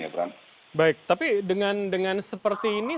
baik tapi dengan seperti ini